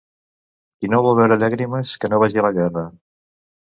Qui no vol veure llàstimes, que no vagi a la guerra.